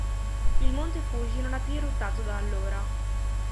Il Monte Fuji non ha più eruttato da allora.